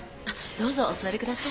どうぞお座りください。